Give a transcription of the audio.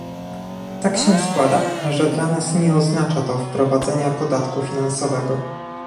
Tak się składa, że dla nas nie oznacza to wprowadzenia podatku finansowego